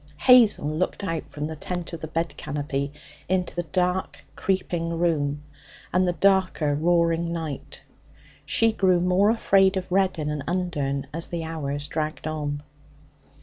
Hazel looked out from the tent of the bed canopy into the dark, creaking room and the darker, roaring night. She grew more afraid of Reddin and Undern as the hours dragged on.